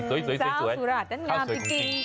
อืมอืมเจ้าสุราชอันนั้นงามจริง